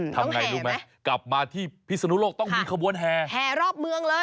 ทำไงรู้ไหมกลับมาที่พิศนุโลกต้องมีขบวนแห่แห่รอบเมืองเลย